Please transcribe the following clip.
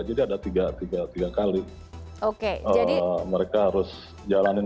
jadi ada tiga kali mereka harus jalanin